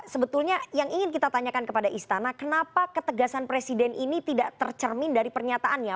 sebetulnya yang ingin kita tanyakan kepada istana kenapa ketegasan presiden ini tidak tercermin dari pernyataannya